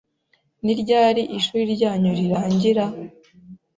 Ni ryari ishuri ryanyu rirangira?